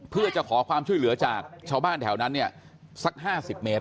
เพื่อจะขอความช่วยเหลือจากชาวบ้านแถวนั้นเนี่ยสัก๕๐เมตร